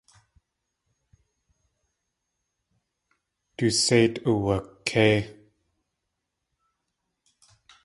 Du séit uwakéi.